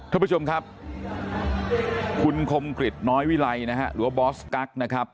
ท่านผู้ชมครับคุณคมกริจน้อยวิไลนะฮะหรือว่าบอสกั๊กนะครับ